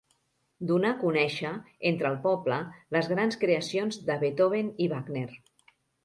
Donà conèixer entre el poble les grans creacions de Beethoven i Wagner.